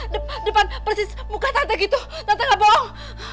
depan depan persis muka tante gitu tante gak bohong